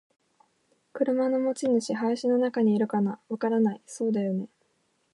「車の持ち主。林の中にいるかな？」「わからない。」「そうだよね。」